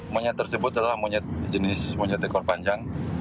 monyet tersebut adalah monyet jenis monyet ekor panjang